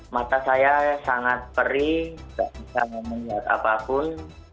mata saya sangat perih tidak bisa melihat apapun